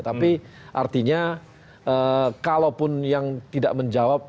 tapi artinya kalaupun yang tidak menjawab